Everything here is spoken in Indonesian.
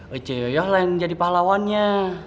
ece yoyoh lah yang jadi pahlawannya